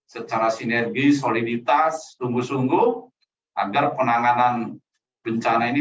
secara sinergi soliditas sungguh sungguh agar penanganan bencana ini